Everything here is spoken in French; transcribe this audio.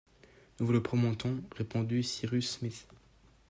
Nous vous le promettons, » répondit Cyrus Smith.